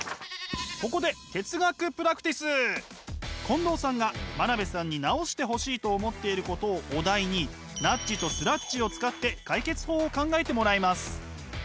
ここで近藤さんが真鍋さんに直してほしいと思っていることをお題にナッジとスラッジを使って解決法を考えてもらいます。